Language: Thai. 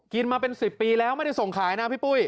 มาเป็น๑๐ปีแล้วไม่ได้ส่งขายนะพี่ปุ้ย